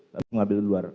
terus mengambil di luar